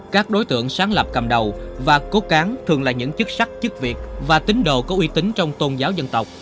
các đối tượng sáng lập cầm đầu và cố cán thường là những chức sắc chức việc và tín đồ có uy tín trong tôn giáo dân tộc